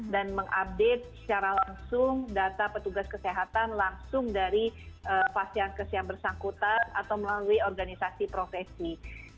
dan mengupdate secara langsung data petugas kesehatan langsung dari pasien pasien bersangkutan atau melalui organisasi profesi